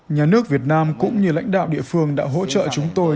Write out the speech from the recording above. nhà nước việt nam cũng như lãnh đạo địa phương đã hỗ trợ chúng tôi